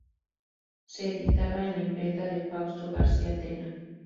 Se editaba en la imprenta de Fausto García Tena.